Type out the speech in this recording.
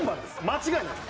間違いない。